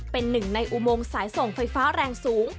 เป็นหนึ่งในอุโมงสายส่งไฟฟ้าแรงสูง